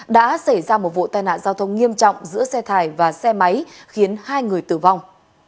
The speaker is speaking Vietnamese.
đã xảy ra một vụ tai nạn giao thông nghiêm trọng giữa xe thải và xe máy khiến hai người tử vong